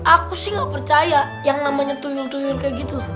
aku sih gak percaya yang namanya tunyur tuyur kayak gitu